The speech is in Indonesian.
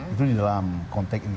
itu di dalam konteks ini